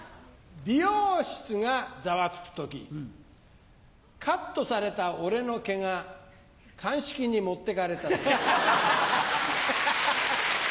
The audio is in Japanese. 美容室がざわつく時カットされた俺の毛が鑑識に持ってかれた時。